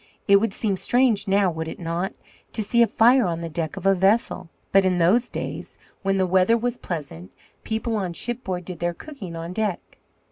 It would seem strange now, would it not, to see a fire on the deck of a vessel? But in those days, when the weather was pleasant, people on shipboard did their cooking on deck.